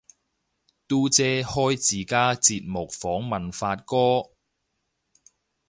嘟姐開自家節目訪問發哥